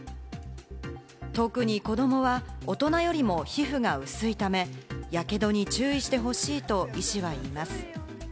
特に子どもは大人よりも皮膚が薄いため、やけどに注意してほしいと医師は言います。